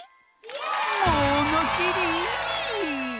ものしり！